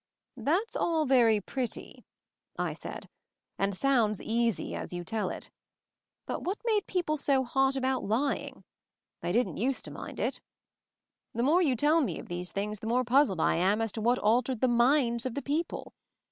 "That's all very pretty," I said, "and sounds easy as you tell it; but what made people so hot about lying? They didn't used to mind it. The more you tell me of 236 MOVING THE MOUNTAIN these things the more puzzled I am as to what altered the minds of the people.